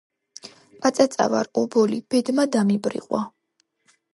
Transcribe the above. პაწაწა ვარ, ობოლი. ბედმა დამიბრიყვა